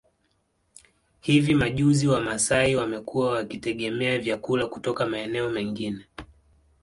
Hivi majuzi Wamasai wamekuwa wakitegemea vyakula kutoka maeneo mengine